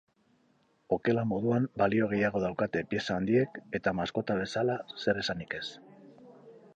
Okela moduan balio gehiago daukate pieza handiek eta maskota bezala zer esanik ez.